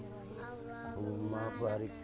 allahumma barik sentuh